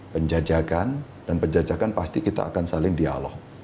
penjajakan dan penjajakan pasti kita akan saling dialog